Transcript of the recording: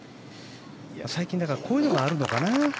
最近、こういうのがあるのかな。